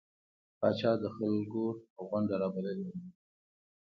پاچا د خلکو غونده رابللې وه.